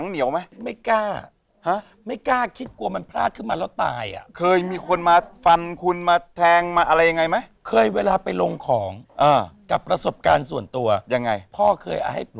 หน้ากานลองของมั้ยอย่างคุณเนี่ย